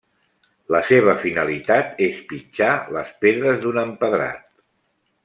La seva finalitat és pitjar les pedres d’un empedrat.